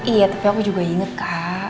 iya tapi aku juga inget kak